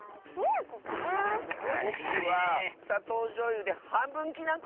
ぼくはさとうじょうゆではんぶんきなこ！